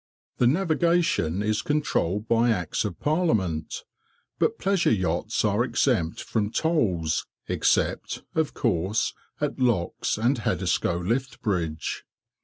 The navigation is controlled by Acts of Parliament, but pleasure yachts are exempt from tolls, except, of course, at locks and Haddiscoe lift bridge.